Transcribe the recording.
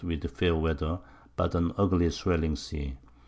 with fair Weather, but an ugly swelling Sea.